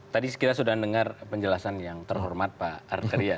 tadi sekitar sudah dengar penjelasan yang terhormat pak arthir ya